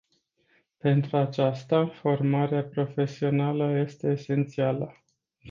Pentru aceasta, formarea profesională este esențială.